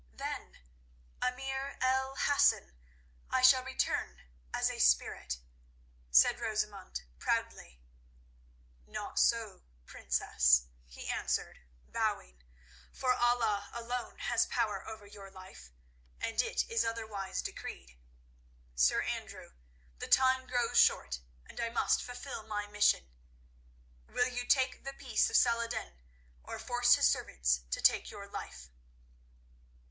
"Then, emir El Hassan, I shall return as a spirit," said Rosamund proudly. "Not so, Princess," he answered, bowing, "for Allah alone has power over your life, and it is otherwise decreed. Sir Andrew, the time grows short, and I must fulfil my mission. Will you take the peace of Salah ed din, or force his servants to take your life?"